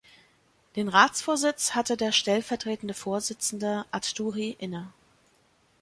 Den Ratsvorsitz hatte der stellvertretende Vorsitzende, ad-Douri, inne.